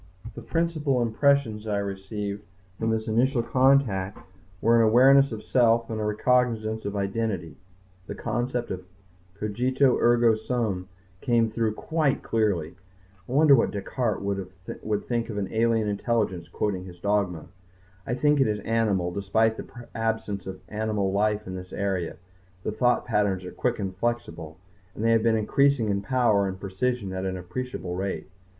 The principal impressions I received from this initial contact were an awareness of self and a recognizance of identity the concept of cogito ergo sum came through quite clearly. I wonder what Descartes would think of an alien intelligence quoting his dogma.... I think it is animal, despite the absence of animal life in this area. The thought patterns are quick and flexible. And they have been increasing in power and precision at an appreciable rate.